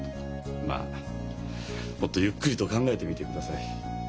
まあもっとゆっくりと考えてみてください。